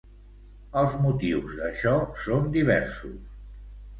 Els motius d'això són diversos.